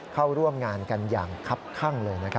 เข้าร่วมงานกันอย่างคับข้างเลย